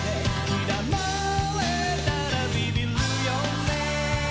「ニラまれたらビビるよね」